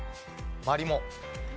マリモ。